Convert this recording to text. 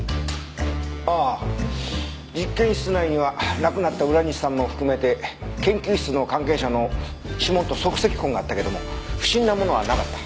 ああ実験室内には亡くなった浦西さんも含めて研究室の関係者の指紋と足跡痕があったけども不審なものはなかった。